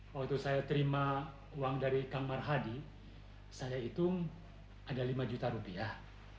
waktu saya terima uang dari kang marhadi saya hitung ada lima juta rupiah